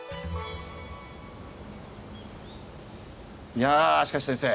いやしかし先生。